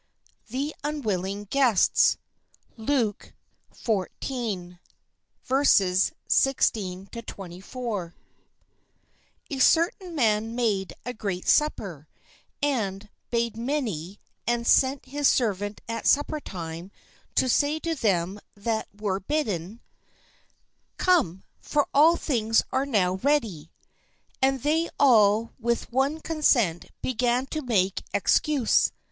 THE UNWILLING GUESTS LUKE xiv., 16 24 j,^^ r r > ,V" *" THE UNWILLING GUESTS CERTAIN man made a great supper, and bade many : and sent his servant at supper time to say to them that were bidden : Come; for all things are now ready." And they all with one consent began to make ex cuse.